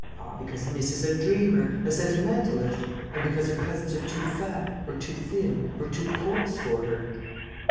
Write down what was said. Ah, because miss is a dreamer, a sentimentalist; and because her cousins are too fat, or too thin, or too coarse for her...."